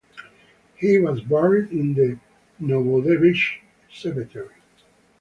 He was buried in the Novodevichy Cemetery.